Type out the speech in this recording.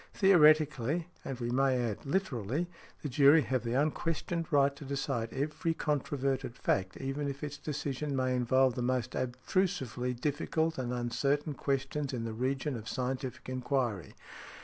Theoretically, and we may add, literally, the jury have the unquestioned right to decide every controverted fact, even if its decision may involve the most abstrusively difficult and uncertain questions in the regions of scientific enquiry.